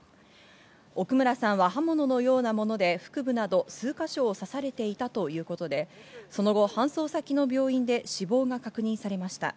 奥村さんは刃物のようなもので、腹部など数か所を刺されていたということで、その後、搬送先の病院で死亡が確認されました。